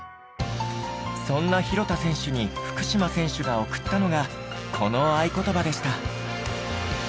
そんな廣田選手に福島選手が送ったのがこの愛ことばでした。